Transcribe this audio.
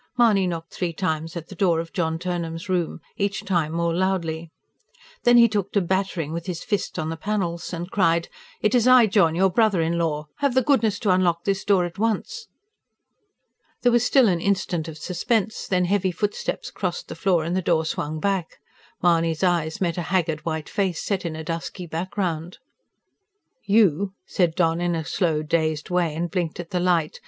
Mahony knocked three times at the door of John Turnham's room, each time more loudly. Then he took to battering with his fist on the panels, and cried: "It is I, John, your brother in law! Have the goodness to unlock this door at once!" There was still an instant of suspense; then heavy footsteps crossed the floor and the door swung back. Mahony's eyes met a haggard white face set in a dusky background. "You!" said John in a slow, dazed way, and blinked at the light.